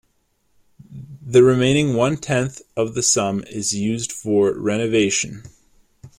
The remaining one-tenth of the sum is used for renovation.